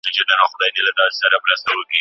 څراغ د ده د سترګو رڼا زیاته کړه.